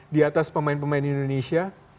di atas pemain pemain indonesia